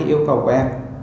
hai yêu cầu của em